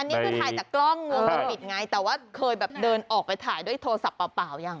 อันนี้คือถ่ายจากกล้องวงจรปิดไงแต่ว่าเคยแบบเดินออกไปถ่ายด้วยโทรศัพท์เปล่ายัง